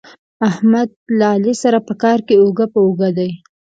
احمد له علي سره په کار کې اوږه په اوږه دی.